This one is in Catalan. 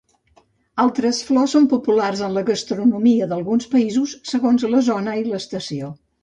Altres flors són populars en la gastronomia d'alguns països, segons la zona i l'estació.